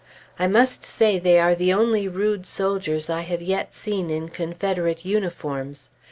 I must say they are the only rude soldiers I have yet seen in Confederate uniforms.